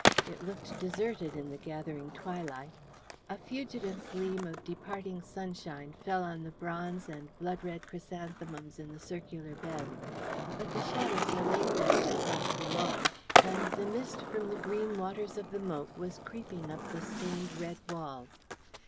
It looked deserted in the gathering twilight. A fugitive gleam of departing sunshine fell on the bronze and blood red chrysanthemums in the circular beds, but the shadows were lengthening across the lawn, and the mist from the green waters of the moat was creeping up the stained red walls.